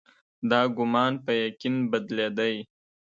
دا ګومان په یقین بدلېدی.